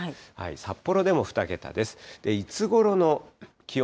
札幌でも２桁です。